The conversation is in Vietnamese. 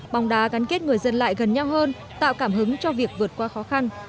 bóng đá gắn kết người dân lại gần nhau hơn tạo cảm hứng cho việc vượt qua khó khăn